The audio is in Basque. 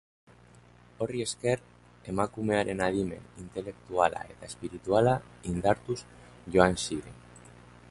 Horri esker, emakumearen adimen intelektuala eta espirituala indartuz joan ziren.